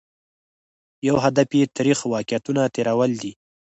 یو هدف یې ترخ واقعیتونه تېرول دي.